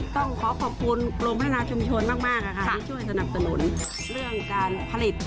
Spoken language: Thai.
ต้องขอขอบคุณกรมพัฒนาชุมชนมากที่ช่วยสนับสนุนเรื่องการผลิต